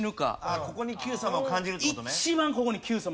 あっここに『Ｑさま！！』を感じるって事ね。